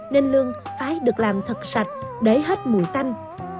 nên lương phải được làm thật sạch để hết mùi tanh